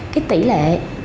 cái tỷ lệ